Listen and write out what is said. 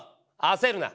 あせるな！